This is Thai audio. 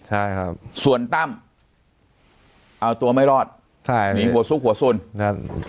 ใช่ครับส่วนตำเอาตัวไม่รอดใช่หนีหัวสู้ขวัสสุน